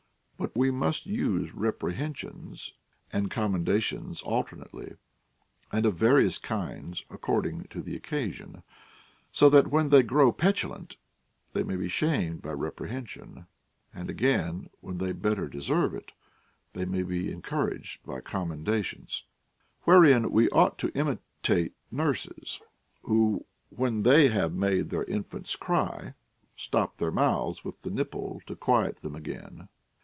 J3ut we must use reprehensions and commendations alter natclyf and of various kinds according to the occasion ; so that when they grow petulant, they may be shamed by rep rehension, and again, Λνΐιβη they better deserve it, they may be encouraged by commendations. Wherein Ave ought to imitate nurses, who, when they have made their infants cry, stop their mouths with the nipple to quiet them again.